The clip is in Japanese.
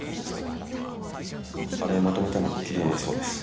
あれをまとめたのも桐山だそうです。